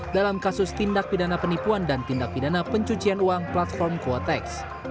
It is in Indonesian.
dalam kasus tindak pidana penipuan dan tindak pidana pencucian uang platform quotex